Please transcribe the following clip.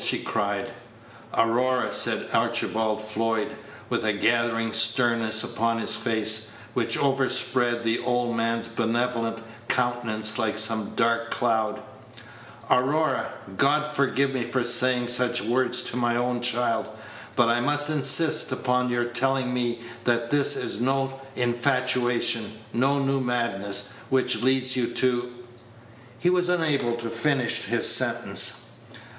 she cried. "Aurora," said Archibald Floyd, with a gathering sternness upon his face, which overspread the old man's benevolent countenance like some dark cloud, "Aurora God forgive me for saying such words to my own child but I must insist upon your telling me that this is no new infatuation, no new madness, which leads you to " He was unable to finish his sentence.